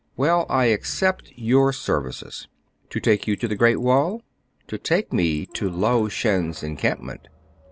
" Well, I accept your services." " To take you to the Great Wall >"" To take me to Lao Shen*s encampment."